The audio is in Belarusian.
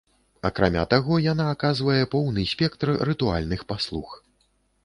Акрамя таго, яна аказвае поўны спектр рытуальных паслуг.